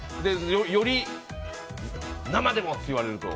より生でもって言われると。